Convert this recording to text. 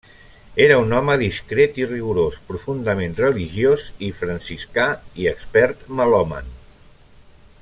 Era un home discret i rigorós, profundament religiós i franciscà i expert melòman.